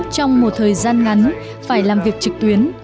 trong một thời gian ngắn phải làm việc trực tuyến